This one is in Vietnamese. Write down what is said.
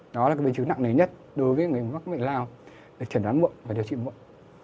đó là cái vị trí nặng nề nhất đối với người mắc mệnh lao để chẩn đoán muộn và điều trị muộn